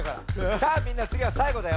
さあみんなつぎがさいごだよ。